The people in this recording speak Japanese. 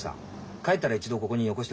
帰ったら一度ここによこしてください。